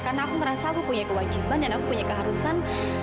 karena aku merasa aku punya kewajiban dan aku punya keharusan